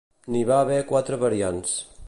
N'hi va haver quatre variants.